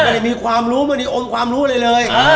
มันจะมีความรู้มันจะอมความรู้ไวะเลย